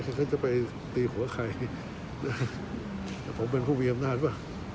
ไหนเขาจะไปตีอะหัวใครอ่ะผมเป็นผู้มีอำนาจปะ